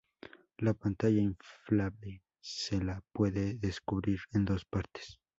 La pantalla inflable se la puede describir en dos partes.